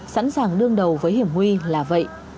thẳng đương đầu với hiểm huy là vậy